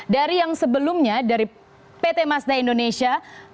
dari yang sebelumnya dari pt mazda indonesia